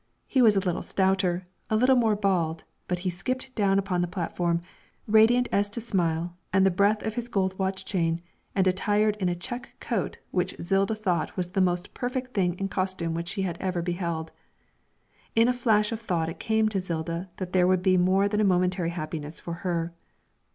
He was a little stouter, a little more bald, but he skipped down upon the platform, radiant as to smile and the breadth of his gold watch chain, and attired in a check coat which Zilda thought was the most perfect thing in costume which she had ever beheld. In a flash of thought it came to Zilda that there would be more than a momentary happiness for her.